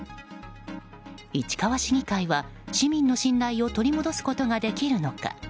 市川市議会は市民の信頼を取り戻すことができるのか。